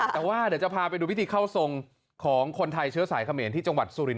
แต่ว่าเดี๋ยวจะพาไปดูพิธีเข้าทรงของคนไทยเชื้อสายเขมรที่จังหวัดสุรินท